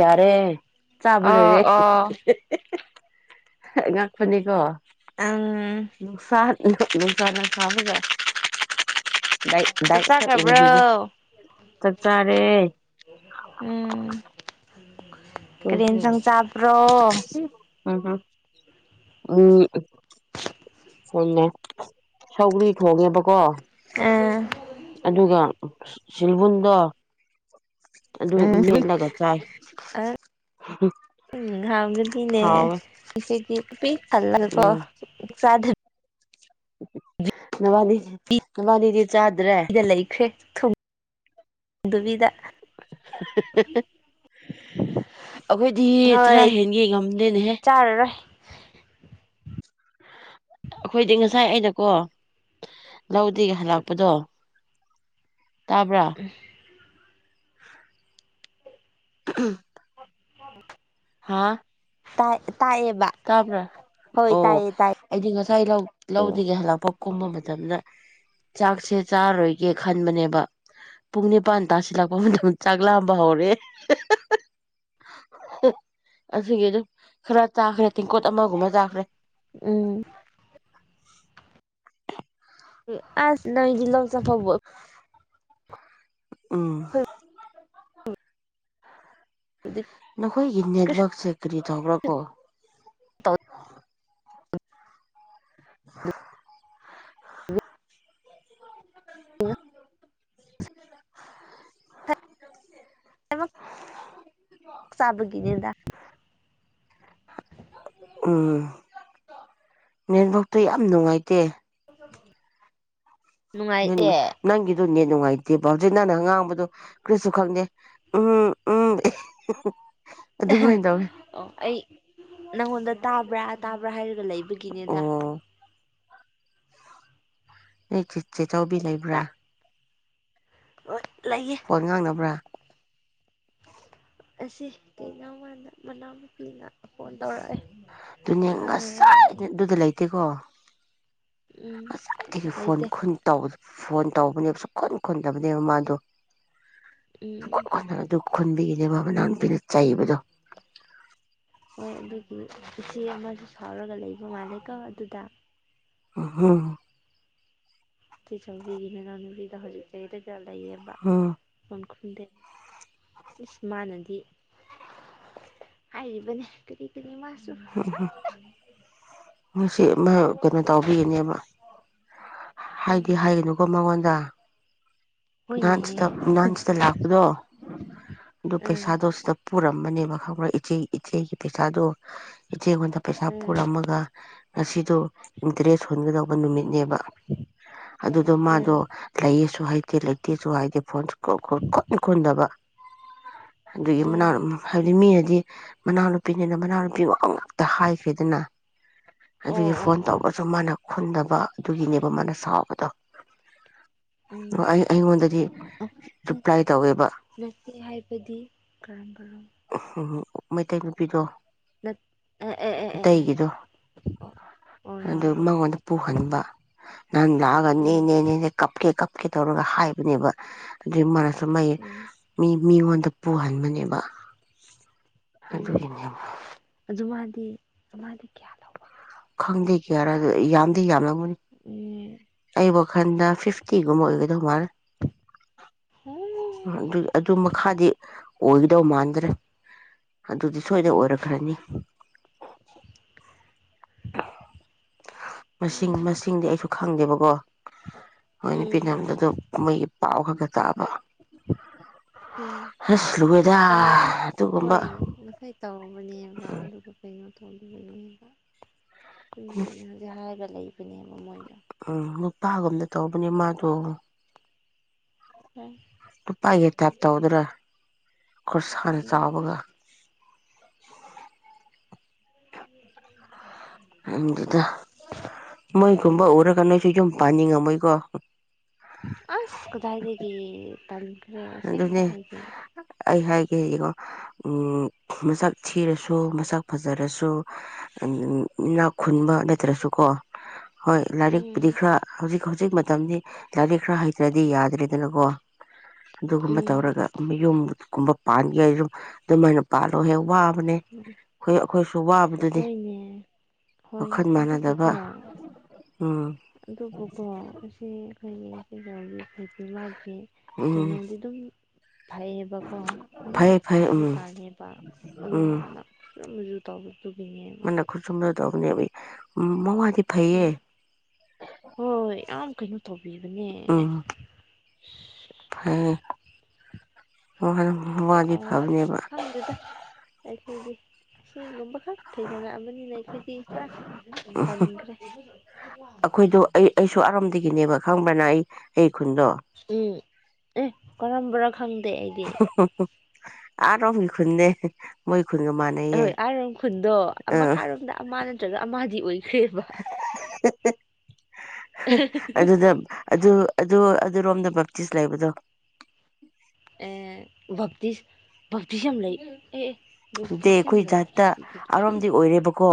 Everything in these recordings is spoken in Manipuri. ꯌꯥꯔꯦ ꯆꯥꯕ ꯂꯣꯏꯔꯦ ꯑꯣ ꯑꯣ ꯑꯉꯛꯄꯅꯤꯀꯣ ꯎꯝ ꯅꯨꯡꯁꯥ [inaudible] ꯆꯥꯛ ꯆꯥꯈ꯭ꯔꯕ꯭ꯔꯣ [inaudible] ꯎꯝ ꯀꯔꯤꯟ ꯁꯪ ꯆꯥꯕ꯭ꯔꯣ ꯑ ꯎꯝ ꯍꯣꯏꯅꯦ ꯁꯧꯒ꯭ꯔꯤ ꯊꯣꯡꯉꯦꯕꯀꯣ ꯑꯥ ꯑꯗꯨꯒ ꯁꯤꯜꯕꯨꯟꯗꯣ ꯑꯗꯨ ꯃꯦꯠꯂꯒ ꯆꯥꯏ ꯍ ꯅꯦ ꯍꯥꯎꯋꯦ ꯀꯦꯖꯤ ꯄꯤ ꯍꯜ ꯂꯒꯀꯣ ꯎꯝ ꯆꯥꯗꯦ ꯅꯕꯥꯅꯤ ꯅꯕꯥꯅꯤꯗꯤ ꯑꯩꯗ ꯂꯩꯈ꯭ꯔꯦ ꯊꯨꯝ ꯍꯟ ꯍꯟ ꯍꯤ ꯑꯥ ꯑꯩꯈꯣꯏꯗꯤ ꯍꯣꯏ ꯆꯥꯔꯥ ꯍꯦꯟꯒꯦ ꯆꯥꯔꯔꯣꯏ ꯉꯝꯗꯦꯅꯦꯍꯦ ꯑꯩꯈꯣꯏꯗꯤ ꯉꯁꯥꯏ ꯑꯩꯅꯀꯣ ꯂꯧꯗꯒꯤ ꯍꯜꯂꯛꯄꯗꯣ ꯇꯥꯕ꯭ꯔꯥ ꯎ ꯎ ꯍꯥꯥ ꯇꯥꯏ ꯇꯥꯕ꯭ꯔꯥ ꯑꯣ ꯇꯥꯏꯌꯦ ꯑꯩꯗꯤ ꯉꯁꯥꯏ ꯂꯧꯗꯒꯦ ꯍꯜꯂꯛꯄ ꯀꯨꯝꯕ ꯃꯇꯝꯗ ꯆꯥꯛꯁꯦ ꯆꯥꯔꯔꯣꯏꯒꯦ ꯈꯟꯕꯅꯦꯕ ꯄꯨꯡ ꯅꯤꯄꯥꯟ ꯇꯥꯁꯤꯜꯂꯛꯄ ꯃꯇꯝꯗ ꯆꯥꯛ ꯂꯥꯝꯕ ꯍꯧꯔꯦ ꯑꯁꯤꯒꯤ ꯑꯗꯨꯝ ꯈꯔꯥ ꯆꯥ ꯇꯦꯡꯀꯣꯠ ꯑꯃꯒꯨꯝꯕ ꯆꯥꯈ꯭ꯔꯦ꯫ ꯎꯝ ꯑꯁ ꯅꯗꯤꯖꯤꯂꯜ ꯁꯐ ꯎꯝ ꯅꯈꯣꯏꯒꯤ ꯀꯩꯁꯨ ꯅꯦꯠꯋꯛꯁꯦ ꯀꯔꯤ ꯇꯧꯕ꯭ꯔꯥ ꯀꯣ ꯇꯧ ꯍꯝ ꯍ ꯅꯪꯅ ꯀꯔꯤꯅꯣ ꯉꯥꯡꯉꯤꯗꯣ ꯇꯥꯅꯤꯡ ꯇꯦ ꯁꯕꯒꯤꯅꯤꯗ ꯎꯝ ꯅꯦꯠꯋꯥꯛꯇ ꯌꯥꯝ ꯅꯨꯡꯉꯥꯏꯇꯦ ꯏ ꯅꯨꯡꯉꯥꯏꯇꯦ ꯅꯪ ꯑꯗꯨ ꯅꯦꯠ ꯅꯨꯡꯉꯥꯏꯇꯦꯕ ꯍꯧꯖꯤꯛ ꯅꯪꯅ ꯉꯥꯡꯕꯗꯣ ꯀꯔꯤꯁꯨ ꯈꯪꯗꯦ ꯎꯝ ꯎꯝ ꯑꯗꯨꯃꯥꯏꯅ ꯇꯧꯋꯦ ꯑꯣ ꯑꯩ ꯅꯪꯉꯣꯟꯗ ꯇꯥꯕ꯭ꯔꯥ ꯇꯥꯕ꯭ꯔꯥ ꯍꯥꯏ ꯂꯩꯕꯒꯤꯅꯦꯗ ꯑꯣ ꯑꯩ ꯆꯥꯎꯕꯤ ꯂꯩꯕ꯭ꯔꯥ [unintelligible] ꯐꯣꯟ ꯉꯥꯡꯅꯕ꯭ꯔꯥ ꯑꯁꯤ ꯀꯩꯅꯣ ꯃꯥꯅ ꯃꯅꯥꯎ ꯅꯨꯄꯤꯅ ꯐꯣꯟ ꯇꯧꯔꯛꯑꯦ ꯑꯗꯨꯅꯦ ꯉꯥꯡꯅꯔꯒ ꯂꯩ ꯉꯁꯥꯏꯗꯩ ꯑꯗꯨꯗ ꯂꯩꯇꯦꯀꯣ ꯎꯝ ꯑꯁ ꯑꯟꯇꯤꯒꯤ ꯐꯣꯟ ꯂꯩꯇꯦ ꯈꯨꯟ ꯇꯧ ꯐꯣꯟ ꯇꯧꯕꯅꯦꯕ ꯁꯨꯛ ꯈꯨꯟ ꯈꯨꯟꯗꯕꯅꯦꯕ ꯃꯥꯗꯣ ꯎꯝ ꯁꯨꯡꯈꯨꯟ ꯈꯨꯟꯗ ꯑꯗꯨ ꯈꯨꯟꯕꯒꯤꯅꯦꯕ ꯃꯅꯥꯎ ꯅꯨꯄꯤꯅ ꯆꯩꯕꯗꯣ ꯍꯣꯏ ꯑꯗꯨꯒꯤ ꯏꯆꯦ ꯑꯃꯁꯨ ꯁꯥꯎꯔꯒ ꯂꯩꯕ ꯃꯥꯜꯂꯦꯀꯣ ꯑꯗꯨꯗ ꯎꯝꯍꯨꯝ ꯆꯦ ꯆꯧꯕꯤꯒꯤ ꯃꯅꯥꯎ ꯅꯨꯄꯤꯗꯣ ꯍꯧꯖꯤꯛ ꯂꯩꯔꯒ ꯂꯩꯌꯦꯕ ꯎꯝ [unintelligible] ꯈꯪꯗꯦ ꯏꯁ ꯃꯥꯅꯗꯤ ꯍꯥꯏꯔꯤꯕꯅꯦ ꯀꯔꯤ ꯀꯔꯤ ꯃꯥ ꯎꯝ ꯎꯝ ꯃꯁꯤ ꯃꯥ ꯀꯩꯅꯣ ꯇꯧꯕꯒꯤꯅꯦꯕ ꯎꯝ ꯍꯥꯏꯗꯤ ꯍꯥꯏꯒꯅꯨꯀꯣ ꯃꯉꯣꯟ ꯑꯥ ꯅꯍꯥꯟ ꯍꯣꯏꯅꯦꯍꯦ ꯁꯤꯗ ꯅꯍꯥꯟ ꯁꯤꯗ ꯂꯥꯛꯄꯗꯣ ꯑꯗꯨ ꯎꯝ ꯄꯩꯁꯥꯗꯣ ꯁꯤꯗ ꯄꯨꯔꯝꯕꯅꯦꯕ ꯈꯪꯕ꯭ꯔꯥ ꯏꯆꯦ ꯏꯆꯦꯒꯤ ꯄꯩꯁꯥꯗꯣ ꯆꯦꯒꯣꯟꯗ ꯄꯩꯁꯥ ꯎꯝ ꯄꯨꯔꯝꯃꯒ ꯉꯁꯤꯗꯣ ꯏꯟꯇꯔꯦꯁ ꯍꯨꯟꯒꯗꯧꯕ ꯅꯨꯃꯤꯠꯅꯦꯕ ꯑꯗꯨꯗꯣ ꯎꯝ ꯃꯥꯗꯣ ꯂꯩ ꯁꯨ ꯍꯥꯏꯗꯦ ꯂꯩꯇꯦꯁꯨ ꯍꯥꯏꯇꯦ ꯐꯣꯟꯁꯨ [unintelligible] ꯈꯨꯟ ꯈꯨꯨꯟꯗꯕ ꯑꯗꯨꯒꯤ ꯃꯅꯥ ꯎꯝ ꯍꯥꯏꯕꯗꯤ ꯃꯤ ꯃꯅꯥꯎ ꯅꯨꯄꯤꯅꯤꯅ ꯃꯅꯥꯎ [unintelligible] ꯉꯥꯛꯇ ꯍꯥꯏꯈꯤꯗꯅ ꯑꯣ ꯑꯗꯨꯒꯤ ꯑꯣ ꯐꯣꯟ ꯑꯣ ꯇꯧꯕꯁꯨ ꯃꯥꯅ ꯈꯨꯟꯗꯕ ꯑꯗꯨꯒꯤꯅꯦꯕ ꯃꯥꯅ ꯁꯥꯎꯕꯗꯣ ꯎꯝ ꯑꯩ ꯑꯩꯉꯣꯟꯗꯗꯤ ꯑ ꯔꯤꯄ꯭ꯂꯥꯏ ꯇꯧꯋꯦꯕ ꯅꯠꯇꯦ ꯍꯥꯏꯕꯗꯤ ꯀꯔꯝ ꯀꯔꯝꯕ ꯍꯨꯝ ꯃꯩꯇꯩ ꯅꯨꯄꯤꯗꯣ ꯅꯠ ꯑꯦ ꯑꯦ ꯑꯦ ꯑꯦ ꯑꯦ ꯏꯇꯩꯒꯤꯗꯣ ꯑꯣ ꯑꯣ ꯑꯗꯨ ꯌꯥꯔꯦ ꯑꯣ ꯃꯉꯣꯟꯗ ꯄꯨꯍꯟꯕ ꯅꯪ ꯂꯥꯛꯑꯒ ꯎꯝ ꯅꯦꯅꯦꯅꯦꯅꯦ ꯀꯞꯀꯦ ꯀꯞ ꯀꯩ ꯇꯧꯔꯒꯦ ꯍꯥꯏꯕꯅꯦꯕ ꯑꯗꯨꯒꯤ ꯃꯥꯅ ꯁꯨꯝ ꯃꯥꯒꯤ ꯎꯝ ꯃꯤ ꯃꯤꯉꯣꯟꯗ ꯄꯨꯍꯟꯕꯅꯦꯕ [inaudible] ꯎꯝ [inaudible] ꯑꯗꯨꯒꯤꯅꯦꯕ ꯑꯗꯨ ꯃꯥꯗꯤ ꯃꯥꯗꯤ ꯀꯌꯥ ꯂꯧꯕꯒꯦ ꯈꯪꯗꯦ ꯀꯌꯥꯔꯥꯗꯤ ꯌꯥꯝꯗꯤ ꯌꯥꯝꯂꯝꯒꯅꯤ ꯎꯝ ꯑꯩ ꯋꯥꯈꯟꯗ ꯐꯤꯐꯇꯤꯒꯨꯝꯕ ꯑꯣꯏꯒꯗꯧ ꯃꯥꯜꯂꯦ ꯎꯝ ꯑꯗꯨ ꯑꯗꯨ ꯃꯈꯥꯗꯤ ꯑꯣꯏꯒꯗꯧ ꯃꯥꯟꯗ꯭ꯔꯦ ꯑꯗꯨꯗꯤ ꯁꯣꯏꯗ ꯑꯣꯏꯔꯛꯈ꯭ꯔꯅꯤ [inaudible] [inaudible] ꯃꯁꯤꯡ ꯎꯝ ꯃꯁꯤꯡꯗꯤ ꯑꯩꯁꯨ ꯈꯪꯗꯦꯕꯀꯣ ꯍꯣꯏ ꯅꯨꯄꯤ ꯎꯝ ꯅꯪꯕꯗꯨ ꯀꯨꯝꯃꯩꯒꯤ ꯄꯥꯎ ꯈꯛꯇ ꯇꯥꯕ ꯎꯝ ꯑꯁ ꯂꯨꯔꯦꯗ ꯍꯣꯏꯅꯦ ꯑꯁ ꯑꯗꯨꯒꯨꯝꯕ ꯍꯣꯏ ꯉꯁꯥꯏ ꯇꯧꯕꯅꯦꯕ ꯑꯗꯨꯒ ꯀꯩꯅꯣ [unintelligible] [unintelligible] ꯀꯨꯝꯗꯤ ꯅꯍꯥꯟꯖꯨ ꯍꯥꯏꯕ ꯂꯩ ꯎꯝ ꯅꯨꯄꯥꯒꯨꯝꯅ ꯇꯧꯕꯅꯦ ꯃꯥꯗꯣ ꯅꯨꯄꯥꯥꯒꯤ ꯇꯥꯏꯞ ꯇꯧꯗ꯭ꯔꯥ ꯈꯣꯔꯁꯥꯅ ꯎꯝ ꯆꯥꯎꯕꯒ ꯑꯁ [inaudible] [inaudible] [inaudible] [inaudible] ꯀꯨꯝꯕ ꯎꯔꯒ ꯅꯣꯏꯁꯨ ꯌꯨꯝ ꯄꯥꯟꯅꯤꯡꯉꯝꯃꯣꯏꯀꯣ ꯑꯁ ꯀꯗꯥꯥꯏꯗꯒꯤ ꯇꯜꯂꯦ ꯔꯦ ꯑꯁꯦꯡꯕ ꯍꯥꯏꯒꯦ ꯀꯩꯒꯤꯅꯣ ꯎꯝ ꯃꯁꯛ ꯊꯤꯔꯁꯨ ꯃꯁꯛ ꯐꯖꯔꯁꯨ ꯎꯝ ꯏꯅꯥꯛ ꯈꯨꯟꯕ ꯅꯠꯇ꯭ꯔꯁꯨꯀꯣ ꯍꯣꯏ ꯎꯝ ꯂꯥꯏꯔꯤꯛꯄꯨꯗꯤ ꯈꯔ ꯍꯧꯖꯤꯛ ꯍꯧꯖꯤꯛ ꯃꯛ ꯃꯇꯝꯗꯤ ꯂꯥꯏꯔꯤꯛ ꯈꯔ ꯍꯩꯇ꯭ꯔꯗꯤ ꯌꯥꯗ꯭ꯔꯦꯗꯅꯀꯣ ꯑꯗꯨꯒꯨꯝꯕ ꯎꯝ ꯇꯧꯔꯒ ꯃꯩꯌꯨꯝ ꯒꯨꯝꯕ ꯄꯥꯟꯒꯦꯍꯥꯏꯖꯨ ꯑꯗꯨꯃꯥꯏꯅ ꯄꯥꯜꯂꯣꯍꯦ ꯋꯥ ꯕꯅꯦ ꯎꯝ ꯍꯣꯏ ꯑꯈꯣꯏꯁꯨ ꯋꯥꯕꯗꯨꯗꯤ ꯍꯣꯏꯅꯦ ꯍꯣꯏ ꯋꯥꯈꯜ ꯃꯥꯟꯅꯗꯕ ꯑꯗꯨꯕꯨꯀꯣ ꯎꯝ ꯑꯗꯨꯕꯨꯀꯣ ꯑꯁꯤ [unintelligible] [unintelligible] ꯎꯝ ꯀꯩꯅꯣꯗꯤ ꯑꯗꯨꯝ ꯐꯩꯌꯦꯦꯕꯀꯣ ꯑꯗꯨꯝ ꯐꯩ ꯐꯩ ꯎꯝ ꯇꯥꯟꯁꯨ ꯇꯥꯜꯂꯦꯕ ꯑꯗꯨꯣ ꯎꯝ ꯃꯥꯅ ꯈꯨꯁꯨ ꯃꯁꯨ ꯇꯕꯨ ꯇꯨꯉꯕ ꯃꯃ ꯍꯣꯏ ꯍꯣꯏ ꯌꯥꯝ ꯀꯩꯅꯣ ꯇꯧꯕꯤꯕꯅꯦ ꯍꯝ ꯅ ꯋꯥꯗꯤ ꯑꯁ ꯐꯕꯅꯦꯕ ꯈꯪꯗꯦꯗ ꯑꯩꯈꯣꯏꯗꯤ ꯑꯁꯤꯒꯨꯝꯕ ꯍꯥꯞ ꯊꯦꯡꯅ ꯑꯃꯕꯅꯤꯅ ꯑꯗꯨ ꯆ ꯎꯝ ꯑꯩꯈꯣꯏꯗꯣ ꯑꯩ ꯑꯩꯁꯨ ꯑꯔꯣꯝꯗꯒꯤꯅꯦꯕ ꯈꯪꯕ꯭ꯔꯅ ꯑꯩ ꯑꯩ ꯈꯨꯟꯗ ꯎꯝ ꯑꯦ ꯀꯔꯝꯝꯕꯔ ꯈꯪꯗꯦ ꯑꯩꯗꯤ ꯑꯣ ꯍꯈꯟꯅꯦꯦ ꯃꯣꯏ ꯈꯨꯟꯒ ꯃꯥꯟꯅꯩꯌꯦ ꯍꯣꯏ ꯑꯥꯔꯣꯝ ꯈꯨꯟꯗꯣ ꯑꯥ ꯃꯈꯥꯏꯔꯣꯝꯗ ꯑꯃ ꯅꯠꯇ꯭ꯔꯒ ꯑꯃꯗꯤ ꯑꯣꯏ ꯑꯗꯨꯗ ꯑꯗꯨ ꯑꯗꯨ ꯑꯗꯨꯔꯣꯝꯗ ꯕꯦꯞꯇꯤꯁ ꯂꯩꯕꯗꯣ ꯑꯦ ꯚꯇꯤꯁ ꯚꯞꯇꯤꯁ ꯌꯥꯝ ꯂꯩ ꯑꯦ ꯗꯗꯤ ꯕꯞꯇꯤꯁ ꯌꯥꯝ ꯑꯩꯈꯣꯏ ꯂꯩꯕ ꯖꯥꯠꯇ ꯑꯔꯣꯝꯗꯤ ꯑꯣꯏꯔꯦꯕꯀꯣ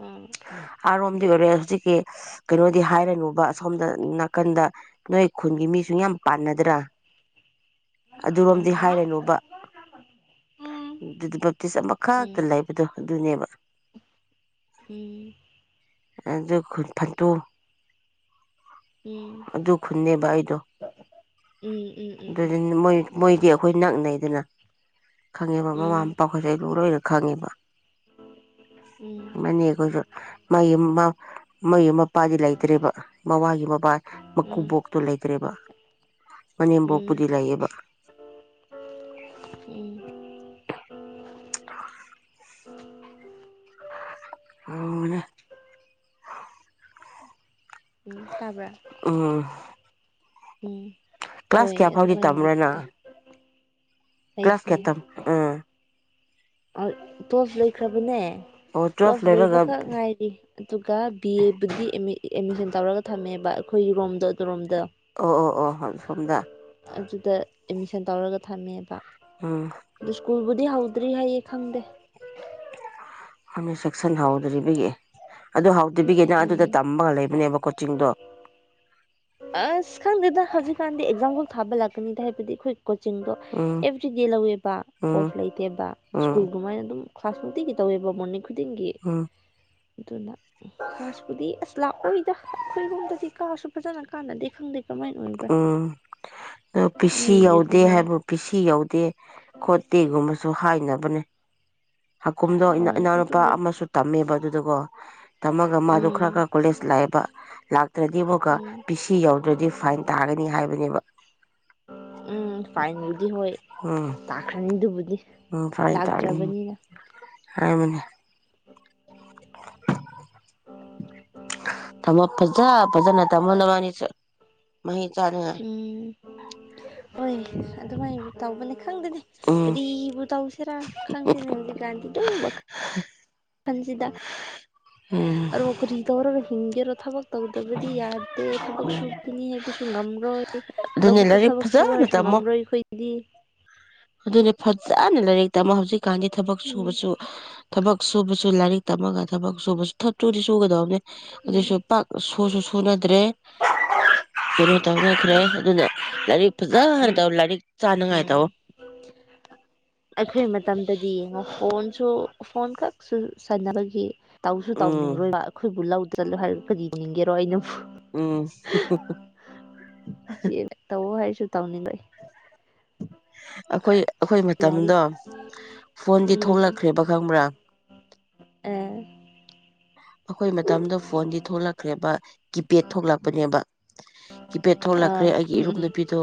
ꯑꯥ ꯑꯔꯝꯗꯤꯔ ꯍꯧꯖꯤ ꯀ ꯀꯩꯅꯣꯗꯤ ꯍꯥꯏꯔꯅꯨꯕ ꯑꯁꯣꯝꯗ ꯅꯥꯀꯟꯗ ꯅꯣꯏ ꯈꯨꯟꯒꯤ ꯃꯤꯁꯨ ꯌꯥꯝ ꯄꯥꯟꯅꯗ꯭ꯔꯥ ꯑꯗꯨꯔꯣꯝꯗꯤ ꯑꯥ ꯍꯥꯏꯔꯅꯨꯕ ꯑꯗꯨ ꯕꯦꯞꯇꯤꯁ ꯑꯃꯛꯇ ꯎꯝ ꯂꯩꯕꯗꯣ ꯑꯗꯨꯅꯦꯕ ꯑꯗꯨ ꯈꯨꯠ ꯐꯠꯇꯨ ꯎꯝ ꯑꯗꯨ ꯈꯨꯟꯅꯕ ꯑꯩꯗꯣ ꯎꯝ ꯎꯝ ꯎꯝ ꯎꯝ ꯎꯝ ꯎꯝ ꯎꯝ ꯑꯗꯨꯣꯏ ꯃꯣꯏꯗꯤ ꯑꯩꯈꯣꯏ ꯅꯛꯅꯩꯗꯅ ꯈꯪꯉꯦꯕ ꯃꯃꯥ ꯃꯄꯥꯥꯎꯈꯠꯁꯦ ꯑꯩ ꯂꯣꯏꯅ ꯈꯪꯉꯦꯕ ꯏ ꯀꯣꯏꯁꯨ ꯃꯌ ꯃꯄꯥꯗꯤ ꯂꯩꯇ꯭ꯔꯦꯕ ꯃꯃꯒꯤ ꯃꯕꯥ ꯃꯀꯨꯕꯣꯛꯇꯣ ꯂꯩꯇ꯭ꯔꯦꯕ ꯎꯝ ꯎꯝ ꯃꯅꯦꯝꯕꯣꯛꯄꯨꯗꯤ ꯂꯩꯌꯦꯕ ꯎꯝ ꯎ ꯑꯅꯦ ꯎꯝ ꯇꯥꯕ ꯎꯝ ꯀ꯭ꯂꯥꯁ ꯍꯣꯏ ꯀꯌꯥ ꯐꯥꯎꯗꯤ ꯑꯗꯨꯃꯥꯏꯅ ꯑꯗꯨꯗꯤ ꯇꯥꯏ ꯇꯝꯕ꯭ꯔꯅ ꯀ꯭ꯂꯥꯁ ꯀꯌꯥ ꯇꯝ ꯇꯣꯁ ꯂꯣꯏꯈ꯭ꯔꯕꯅꯦ ꯑꯣ ꯇꯣꯁ ꯇꯨꯋꯦꯜꯐ ꯂꯣꯏꯔꯒ ꯂꯣꯏꯕꯈꯛ ꯉꯥꯏꯔꯤ ꯑꯗꯨꯒ ꯕꯤ ꯑꯦꯕꯨꯗꯤ ꯑ ꯑꯦꯗꯃꯤꯁꯟ ꯇꯧꯔꯒ ꯊꯝꯃꯦꯕ ꯑꯩꯈꯣꯏꯒꯤ ꯔꯣꯝꯗꯣ ꯑꯗꯨꯔꯣꯝꯗ ꯑꯣ ꯑꯣ ꯑꯣ ꯍ ꯁꯣꯝꯗ ꯑꯗꯨꯗ ꯑꯦꯠꯃꯤꯁꯟ ꯇꯧꯔꯒ ꯊꯝꯃꯦꯕ ꯎꯝ ꯑꯗꯨ ꯁ꯭ꯀꯨꯜ ꯍꯥꯎꯗ꯭ꯔꯤ ꯍꯥꯏꯌꯦ ꯈꯪꯗꯦ ꯁꯦꯛꯁꯟ ꯍꯥꯎꯗ꯭ꯔꯤꯕꯒꯤ ꯑꯗꯨ ꯍ ꯑꯗꯨꯕꯤꯒꯤꯅ ꯎꯝ ꯑꯗꯨꯗ ꯇꯝꯃꯒ ꯂꯩꯕꯅꯦꯕ ꯀꯣꯆꯤꯡꯗ ꯑꯁ ꯈꯪꯗꯦꯗ ꯍꯧꯖꯤꯛꯀꯥꯟꯗꯤ ꯑꯦꯛꯖꯥꯝꯈꯜ ꯊꯥꯕ ꯂꯥꯛꯀꯅꯤꯗ ꯍꯥꯏꯕꯗꯤ ꯑꯩꯈꯣꯏ ꯀꯣꯆꯤꯡꯗꯣ ꯎꯝ ꯑꯦꯕ꯭ꯔꯤꯗꯦ ꯂꯧꯋꯦꯕ ꯎꯝ ꯑꯣꯐ ꯂꯩꯇꯦꯕ ꯎꯝ ꯁ꯭ꯀꯨꯜꯒꯃꯥꯏꯅ ꯑꯗꯨꯝ ꯈꯥꯁꯨ ꯀꯈꯤ ꯇꯧꯋꯕ ꯃꯅꯤ ꯈꯨꯗꯤꯡꯒꯤ ꯎꯝ ꯑꯗꯨꯅ ꯈꯥꯥꯁꯄꯨꯗꯤ ꯑꯁ ꯂꯥꯛꯑꯣꯏꯗ ꯑꯩꯈꯣꯏꯔꯣꯝꯗꯗꯤ ꯀꯥꯁꯨ ꯐꯖꯅ ꯀꯥꯟꯅ ꯎꯝ ꯑ ꯃꯤ ꯄꯤꯁꯤ ꯌꯧꯗꯦ ꯔꯤꯒꯨꯂꯔ ꯍꯥꯏꯕꯨ ꯄꯤꯁꯤ ꯌꯧꯗꯦ ꯈꯣꯠꯇꯦꯒꯨꯝꯕꯁꯨ ꯍꯥꯏꯅ ꯕꯅꯤ ꯍꯥꯀꯨꯝꯗꯣ ꯍꯣꯏ ꯏꯅꯥꯎꯅꯨꯄꯥ ꯑꯗꯨꯕꯨꯗꯤ ꯑꯃꯁꯨ ꯇꯝꯃꯦꯕ ꯑꯗꯨꯗꯨꯒꯣ ꯇꯝꯃꯒ ꯃꯥꯗꯣ ꯈꯔ ꯎꯝ ꯈꯔ ꯀꯣꯂꯦꯖ ꯂꯥꯛꯑꯦꯕ ꯂꯥꯛꯇ꯭ꯔꯗꯤ ꯑꯃꯛꯀ ꯎꯝ ꯕꯤ ꯁꯤ ꯌꯧ ꯑꯗꯨꯗꯤ ꯐꯥꯏꯟ ꯇꯥꯒꯅꯤ ꯍꯥꯏꯕꯅꯦꯕ ꯎꯝ ꯐꯥꯏꯟꯕꯨꯗꯤ ꯍꯣꯏ ꯎꯝ ꯂꯥꯛꯈ꯭ꯔꯅꯤꯗꯨꯕꯨꯗꯤ ꯎꯝ ꯐꯥꯏ ꯇꯥꯒꯅꯤ ꯍꯥꯏ ꯃꯅꯦ ꯇꯝꯃꯣ ꯐꯖꯥ ꯐꯖꯥ ꯅ ꯇꯝꯃꯣ ꯅꯕꯥꯅꯤꯁꯨ ꯃꯍꯩ ꯆꯥꯅꯤꯉꯥꯏ ꯎꯝ ꯍꯣꯏ ꯑꯗꯨꯃꯥꯏꯅ ꯇꯧꯕ ꯂꯩ ꯈꯪꯗꯦꯅꯦ ꯎꯝ ꯀꯔꯤꯕꯨ ꯇꯧꯁꯤꯔꯥ ꯈꯪꯗꯦꯅꯦ ꯍꯧꯖꯤꯛꯀꯥꯟꯗꯤ ꯗꯨꯝ ꯋꯥꯈꯜ [inaudible] ꯎꯝ ꯁꯤꯁꯤꯡꯒꯔ ꯊꯥꯕꯛ ꯇꯧꯗꯕꯗꯤ ꯌꯥꯗꯦ ꯊꯕꯛ ꯁꯨꯕꯅꯤ ꯍꯥꯏꯕꯁꯨ ꯉꯝꯔꯣꯏ ꯑꯗꯨꯅꯦ ꯂꯧꯕꯨꯛꯇ ꯂꯥꯏꯔꯤꯛ ꯊꯕꯛ ꯁꯨ ꯐꯖꯅ ꯍꯥꯏꯔꯁꯨ ꯇꯝꯃꯣ ꯉꯝꯔꯣꯏ ꯑꯩꯈꯣꯏꯗꯤ ꯑꯗꯨꯅꯦ ꯐꯖꯥꯅꯦ ꯂꯩ ꯇꯃꯣ ꯍꯧꯖꯤꯛꯀꯥꯟꯗꯤ ꯊꯕꯛ ꯎꯝ ꯁꯨꯕꯁꯨ ꯊꯕꯛ ꯁꯨꯕꯁꯨ ꯁꯨ ꯂꯥꯏꯔꯤꯛ ꯇꯝꯃꯒ ꯊꯕꯛ ꯁꯨꯕꯁꯨ ꯊ ꯊꯨꯗꯤ ꯁꯨꯒꯗꯕꯅꯦ ꯎꯝ ꯑꯗꯨꯁꯨ ꯄꯥꯛ ꯁꯨꯁꯨ ꯁꯨꯅꯗ꯭ꯔꯦ ꯇꯔꯣ ꯇꯧꯅꯈ꯭ꯔꯦ ꯎꯝ ꯑꯗꯨꯅ ꯂꯥꯏꯔꯤꯛ ꯐꯖꯅ ꯎꯝ ꯇꯧ ꯂꯥꯏꯔꯤꯛ ꯆꯥꯅꯉꯥꯏ ꯇꯧ ꯑꯩꯈꯣꯏ ꯃꯇꯝꯗꯗꯤ ꯌꯦꯡꯉꯣ ꯐꯣꯟꯁꯨ ꯐꯣꯟ ꯈꯛ ꯁꯥꯟꯅꯕꯒꯤ ꯇꯧꯁꯨ ꯎꯝ ꯇꯧꯅꯤꯡꯔꯣꯏ ꯑꯩꯈꯣꯏꯕꯨ ꯂꯧ ꯆꯠꯂꯣ ꯍꯥꯏꯔꯒ ꯀꯔꯤ ꯎꯅꯤꯡꯒꯦꯔꯣ ꯑꯩꯅ ꯎꯝ ꯌꯦꯅꯦ ꯇꯧꯕ ꯍꯥꯏ ꯇꯧꯅꯤꯡꯂꯛꯏ ꯑꯩꯈꯣꯏ ꯑꯩꯈꯣꯏ ꯃꯇꯝꯗꯣ ꯐꯣꯟꯗꯤ ꯎꯝ ꯊꯣꯡꯂꯛꯈ꯭ꯔꯦꯕ ꯈꯪꯕ꯭ꯔꯥ ꯑꯦ ꯑꯩꯈꯣꯏ ꯃꯇꯝꯗ ꯐꯣꯟꯗꯤ ꯊꯣꯛꯂꯛꯈ꯭ꯔꯦꯕ ꯀꯤꯄꯦꯗ ꯊꯣꯛꯂꯛꯄꯅꯦꯕ ꯀꯤꯐꯦꯠ ꯑꯥ ꯊꯣꯛꯂꯛꯈ꯭ꯔꯦ ꯑꯩꯒꯤ ꯎꯝ ꯏꯔꯨꯞ ꯎꯝ ꯅꯨꯄꯤꯗꯣ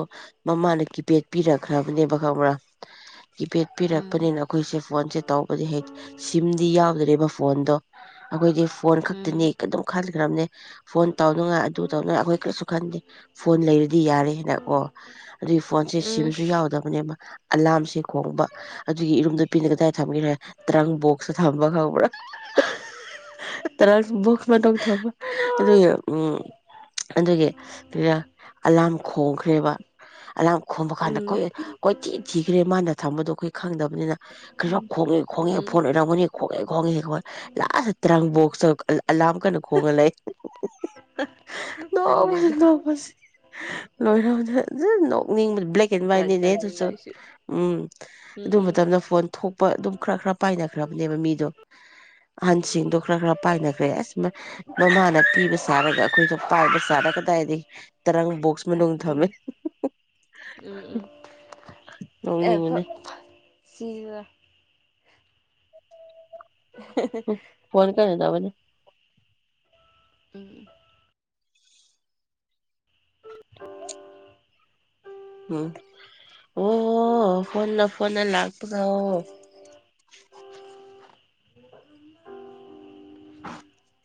ꯃꯃꯥꯅ ꯀꯤꯄꯦꯗ ꯄꯤꯔꯛꯈ꯭ꯔꯕꯅꯦꯕ ꯈꯪꯕ꯭ꯔꯥ ꯀꯤꯄꯦꯗ ꯎꯝ ꯄꯤꯔꯛꯄꯅꯤꯅ ꯑꯩꯈꯣꯏꯁꯦ ꯐꯣꯟꯁꯦ ꯇꯧꯕꯗꯤ ꯍꯥꯏ ꯁꯤꯝꯗꯤ ꯌꯥꯎꯗ꯭ꯔꯦꯕ ꯐꯣꯟꯗꯣ ꯑꯩꯈꯣꯏꯗꯤ ꯐꯣꯟ ꯎꯝ ꯈꯛꯇꯅꯤ ꯑꯗꯨꯝ ꯈꯟꯈ꯭ꯔꯕꯅꯦ ꯐꯣꯟ ꯇꯧꯅꯉꯥꯏ ꯑꯗꯨ ꯇꯧꯅꯉꯥꯏ ꯑꯩꯈꯣꯏ ꯀꯔꯤꯁꯨ ꯈꯟꯗꯦ ꯐꯣꯟ ꯂꯩꯔꯤꯗꯤ ꯗꯤ ꯌꯥꯔꯦꯅ ꯀꯣ ꯑꯗꯨꯒꯤ ꯐꯣꯟꯁꯦ ꯎꯝ ꯁꯤꯝꯁꯨ ꯌꯥꯎꯗꯕꯅꯦꯕ ꯑꯂꯥꯝꯁꯦ ꯈꯣꯡꯕ ꯑꯗꯨꯒꯤ ꯏꯔꯨꯝ ꯅꯨꯄꯤꯅ ꯀꯗꯥꯏꯗ ꯊꯝꯈꯤꯔꯦ ꯇ꯭ꯔꯪꯕꯣꯛꯁꯇ ꯊꯝꯕ ꯈꯪꯕ꯭ꯔꯥ ꯇꯔꯪ ꯕꯣꯛꯁ ꯃꯅꯨꯡꯗ ꯊꯝꯃꯦ ꯑꯗꯨꯒꯤ ꯎꯝ ꯑꯗꯨꯒꯤ ꯈꯔ ꯑꯂꯥꯝ ꯈꯣꯡꯈ꯭ꯔꯦꯕ ꯑꯂꯥꯝ ꯈꯣꯝꯕ ꯀꯥꯟꯗ ꯎꯝ ꯑꯩꯈꯣꯏ ꯀꯣꯏꯊꯤ ꯊꯤꯈ꯭ꯔꯦ ꯃꯥꯅ ꯊꯝꯕꯗꯣ ꯑꯩꯈꯣꯏ ꯈꯪꯗꯕꯅꯤꯅ ꯈꯔ ꯈꯣꯡꯉꯦ ꯈꯣꯡꯉꯦ ꯎꯝ ꯐꯣꯟ ꯑꯣꯏꯔꯝꯒꯅꯤ ꯈꯣꯡꯉꯦ ꯈꯣꯡꯉꯦ ꯂꯥꯁ ꯇꯔꯥꯡꯕꯣꯛꯁꯨ ꯑꯂꯥꯝ ꯀꯟꯅ ꯈꯣꯡꯉ ꯂꯩ ꯅꯣꯛꯄꯗ ꯇꯜꯂꯦꯗ ꯅꯣꯛꯄꯗꯥ ꯁꯤꯔꯦ ꯂꯣꯏꯔꯅꯦ ꯑꯁ ꯅꯣꯛꯅꯤꯡꯕ ꯕ꯭ꯂꯦꯛ ꯑꯦꯟ ꯖꯥꯠ ꯋꯥ꯭ꯋꯥꯏꯠꯅꯤꯅꯦ ꯖꯥꯠꯅꯤ ꯑꯗꯨꯁꯨ ꯅꯣꯏꯁꯨ ꯎꯝ ꯎꯝ ꯑꯗꯨ ꯎꯝ ꯃꯇꯝꯗ ꯐꯣꯟ ꯊꯣꯛ ꯑꯗꯨꯝ ꯈꯔ ꯈꯔ ꯄꯥꯏꯅꯈ꯭ꯔꯕꯅꯦꯕ ꯃꯤꯗꯣ ꯑ ꯁꯤꯡꯗꯣ ꯈꯔ ꯈꯔ ꯄꯥꯏꯅꯈ꯭ꯔꯦ ꯑꯁ ꯃꯃꯥꯅ ꯄꯤꯕ ꯁꯥꯔꯒ ꯑꯩꯈꯣꯏꯗ ꯄꯥꯏꯕ ꯆꯔ ꯀꯗꯥꯏꯗꯒꯤꯩ ꯇꯔꯪ ꯕꯣꯛꯁ ꯃꯅꯨꯡ ꯊꯝꯃꯦ ꯎꯝ ꯑ ꯅꯣꯡꯅꯤꯡꯕꯅꯤ ꯁꯤꯖꯤꯔ ꯎ ꯐꯣꯟ ꯀꯦ ꯌꯥꯕꯅꯦ ꯎꯝ ꯎꯝ ꯑꯣ ꯐꯣꯟꯅ ꯐꯣꯟ ꯂꯥꯛꯄ꯭ꯔꯥ ꯑꯣ [inaudible]